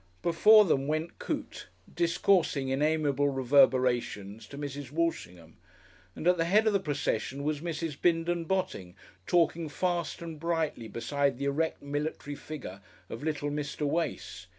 Before them went Coote, discoursing in amiable reverberations to Mrs. Walshingham, and at the head of the procession was Mrs. Bindon Botting talking fast and brightly beside the erect military figure of little Mr. Wace.